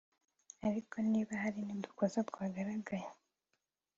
Ariko niba hari n’udukosa twagaragaye